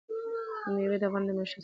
مېوې د افغانانو د معیشت سرچینه ده.